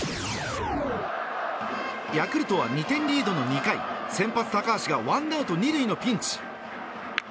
ヤクルトは２点リードの２回先発、高橋がワンアウト２塁のピンチ。